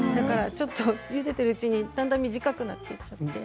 ゆでているうちに、だんだん短くなっていっちゃって。